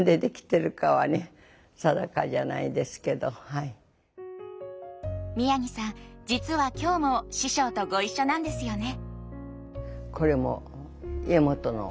やっぱり宮城さん実は今日も師匠とご一緒なんですよね。